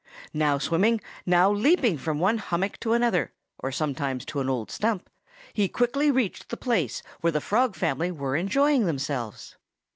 Now swimming, now leaping from one hummock to another or sometimes to an old stump he quickly reached the place where the Frog family were enjoying themselves.